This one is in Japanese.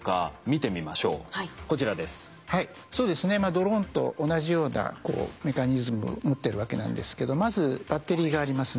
ドローンと同じようなメカニズム持ってるわけなんですけどまずバッテリーがありますね。